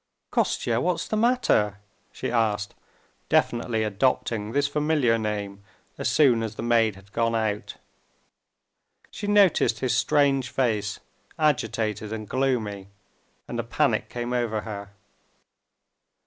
"Kostya, what's the matter?" she asked, definitely adopting this familiar name as soon as the maid had gone out. She noticed his strange face, agitated and gloomy, and a panic came over her.